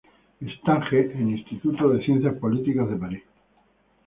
Stage en Instituto de Ciencias Políticas de Paris.